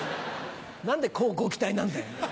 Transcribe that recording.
何で「乞うご期待」なんだよ。